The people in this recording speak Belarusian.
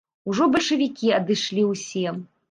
Ужо бальшавікі адышлі ўсе.